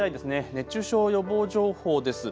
熱中症予防情報です。